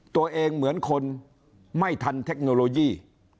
ตัวเองเหมือนคนไม่ทันเทคโนโลยี